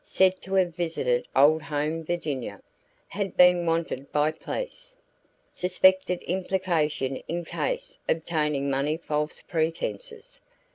Said to have visited old home Virginia. Had been wanted by police. Suspected implication in case obtaining money false pretences.